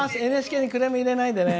ＮＨＫにクレーム入れないでね。